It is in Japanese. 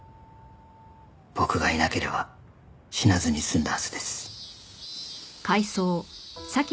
僕がいなければ死なずに済んだはずです。